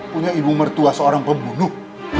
punya ibu mertua seorang pembunuh